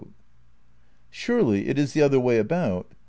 Surely it is the other way about.